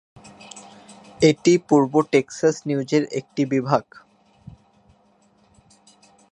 এটি পূর্ব টেক্সাস নিউজের একটি বিভাগ।